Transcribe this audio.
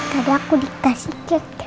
tadi aku dikasih cake